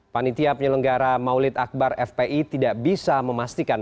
panitia penyelenggara maulid akbar fpi tidak bisa memastikan